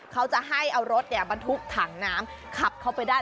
เขาจะให้เอารถบรรทุกถังน้ำขับเข้าไปได้